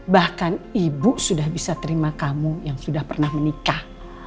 bahkan ibu sudah bisa terima kamu yang sudah pernah menikah